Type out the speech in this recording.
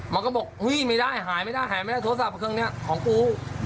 มันก็บอกไม่ได้หายไม่ได้หายไม่ได้โทรศัพท์เครื่องนี้ของกู